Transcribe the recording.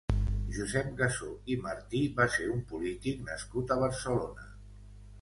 Josep Gassó i Martí va ser un polític nascut a Barcelona.